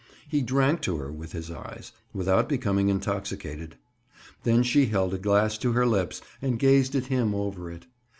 He drank to her with his eyes—without becoming intoxicated. Then she held a glass to her lips and gazed at him over it.